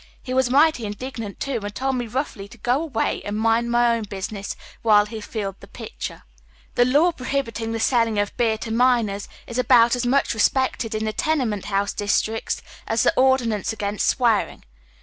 He was migh ty indignant too, and told me roughly to go away and mind my business, wliile he filled the pitcher. The law prohibiting the selling of beer to minors is about as much respected in the tenemcnt honae districts as the ordinance against swearing.